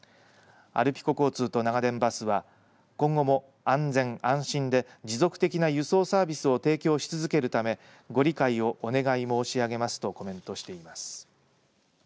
アルピコ交通と長電バスは今後も安全、安心で持続的な輸送サービスを提供し続けるためご理解をお願い申し上げますとコメントしています。